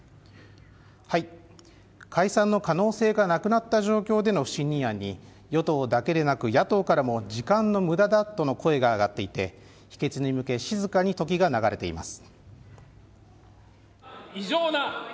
解散の可能性がなくなった状況での不信任案に与党だけでなく野党からも時間の無駄だとの声が上がっていて、否決に向け静かに時が流れています。